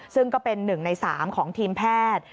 ซึ่งก็เป็น๑ใน๓ของทีมแพทย์